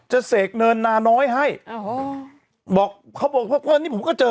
เสกเนินนาน้อยให้อ๋อบอกเขาบอกว่านี่ผมก็เจอ